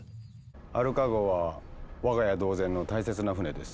アルカ号は我が家同然の大切な船です。